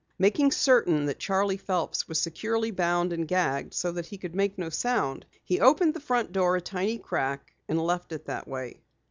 Making certain that Charley Phelps was securely bound and gagged so that he could make no sound, he opened the front door a tiny crack and left it that way.